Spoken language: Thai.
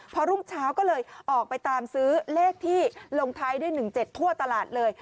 พอรุ่งเช้าก็เลยออกไปตามซื้อเลขที่ลงท้ายด้วย๑๗ทั่วตลาดเลย